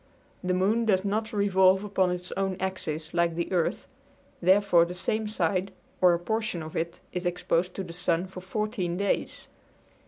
The moon does not revolve upon its own axis like the earth, therefore the same side or a portion of it is exposed to the sun for 14 days.